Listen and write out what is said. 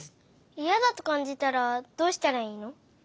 いやだとかんじたらどうしたらいいの？